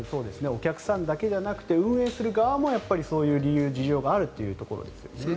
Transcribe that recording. お客さんだけじゃなくて運営する側もそういう事情があるということですよね。